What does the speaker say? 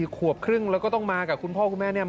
ขวบครึ่งแล้วก็ต้องมากับคุณพ่อคุณแม่เนี่ย